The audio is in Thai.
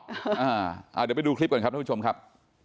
เดี๋ยวไปดูคลิปก่อนครับท่านผู้ชมครับ